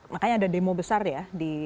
makanya ada demo besar ya